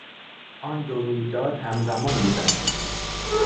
آن دو رویداد همزمان بودند.